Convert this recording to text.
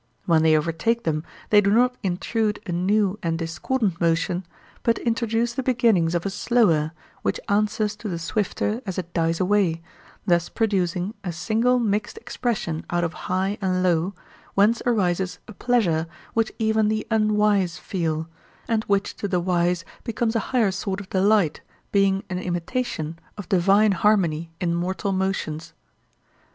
When they overtake them they do not intrude a new and discordant motion, but introduce the beginnings of a slower, which answers to the swifter as it dies away, thus producing a single mixed expression out of high and low, whence arises a pleasure which even the unwise feel, and which to the wise becomes a higher sort of delight, being an imitation of divine harmony in mortal motions.